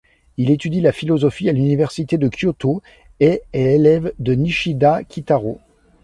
Il étudie la philosophie à l'université de Kyoto et est élève de Nishida Kitarō.